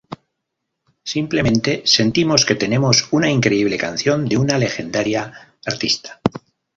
Simplemente sentimos que tenemos una increíble canción de una legendaria artista.